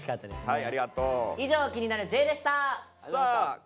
はい。